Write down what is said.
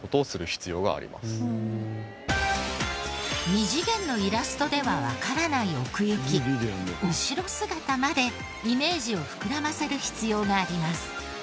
２次元のイラストではわからない奥行き後ろ姿までイメージを膨らませる必要があります。